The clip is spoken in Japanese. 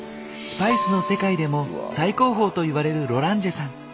スパイスの世界でも最高峰といわれるロランジェさん。